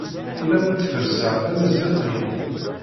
Ur awent-ferrseɣ tamazirt-nwent.